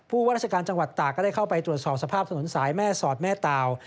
ว่าราชการจังหวัดตากก็ได้เข้าไปตรวจสอบสภาพถนนสายแม่สอดแม่ตาว